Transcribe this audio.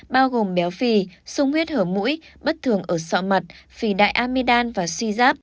bao gồm béo phì sung huyết hở mũi bất thường ở sọ mặt phì đại amidan và suy giáp